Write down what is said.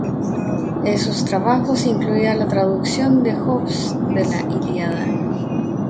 Esos trabajos incluían la traducción de Hobbes de la "Ilíada".